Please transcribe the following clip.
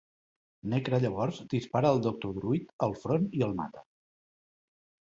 Nekra llavors dispara al Doctor Druid al front i el mata.